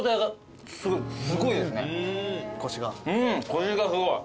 コシがすごい。